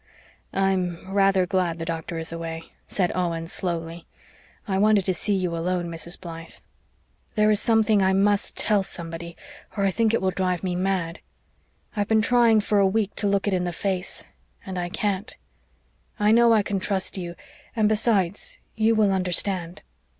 "I'm rather glad the doctor is away," said Owen slowly. "I wanted to see you alone, Mrs. Blythe. There is something I must tell somebody, or I think it will drive me mad. I've been trying for a week to look it in the face and I can't. I know I can trust you and, besides, you will understand.